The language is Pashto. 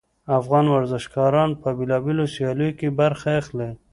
افغان ورزشګران په بیلابیلو سیالیو کې برخه اخلي